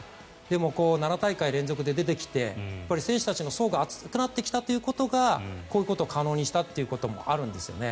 でも７大会連続で出てきて選手たちの層が厚くなってきたことがこういうことを可能にしたということもあるんですね。